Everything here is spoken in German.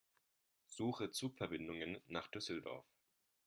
Suche Zugverbindungen nach Düsseldorf.